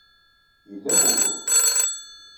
Yella wugur.